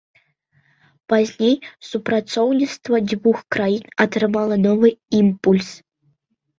Пазней супрацоўніцтва дзвюх краін атрымала новы імпульс.